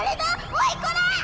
おいこらっ！